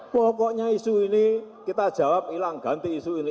pokoknya isu ini kita jawab hilang ganti isu ini